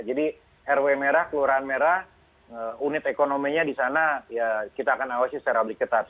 jadi rw merah keluaran merah unit ekonominya di sana ya kita akan awasi secara obligator